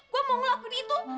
gue mau ngelakuin itu